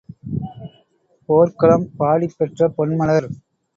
போற்களம் பாடிப் பெற்ற பொன்மலர்